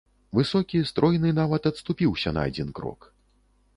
Высокі, стройны нават адступіўся на адзін крок.